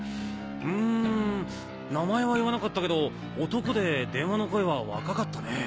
うん名前は言わなかったけど男で電話の声は若かったねぇ。